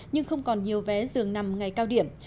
nhưng không còn nhiều vé dường nằm ngày cao điểm